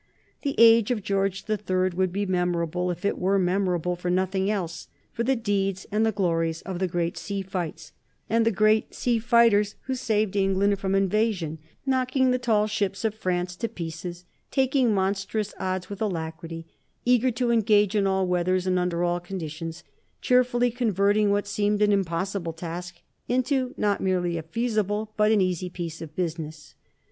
The age of George the Third would be memorable, if it were memorable for nothing else, for the deeds and the glories of the great sea fights and the great sea fighters who saved England from invasion, knocking the tall ships of France to pieces, taking monstrous odds with alacrity, eager to engage in all weathers and under all conditions, cheerfully converting what seemed an impossible task into not merely a feasible but an easy piece of business.